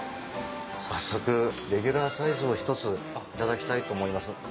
早速レギュラーサイズを１ついただきたいと思います。